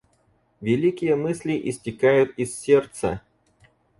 Великие мысли истекают из сердца.